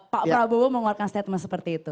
pak prabowo mengeluarkan statement seperti itu